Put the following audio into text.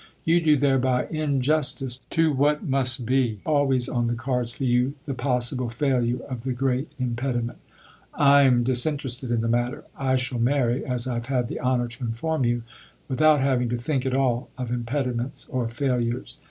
You do thereby injustice to what must be always on the cards for you the possible failure of the great impediment, fm disinterested in the matter I shall marry, as" I've had the honour to inform you, without having to think at all of impediments or failures.